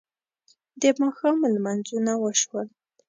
د ماښام لمونځونه وشول.